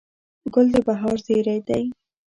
ګل د بهار زېری دی.